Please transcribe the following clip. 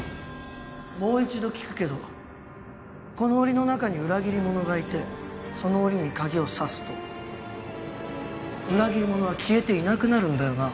もう一度聞くけどこの檻の中に裏切り者がいてその檻に鍵を挿すと裏切り者は消えていなくなるんだよな？